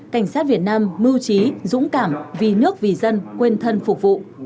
cảnh sát việt nam mưu trí dũng cảm vì nước vì dân quên thân phục vụ